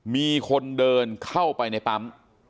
มีคนเดินเข้าไปในปั๊ม